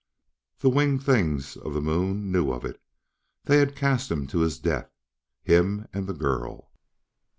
The winged things of the Moon knew of it; they had cast him to his death him and the girl.